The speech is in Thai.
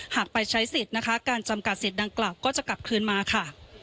หากไปใช้สิทธิ์การจำกัดสิทธิ์ดังกลับก็จะกลับคืนมา